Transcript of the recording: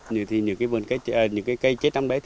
những cây chết năm đấy